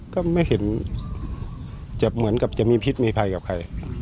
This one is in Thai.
ก็ไม่เห็นจะเหมือนกับจะมีพิษมีภัยกับใคร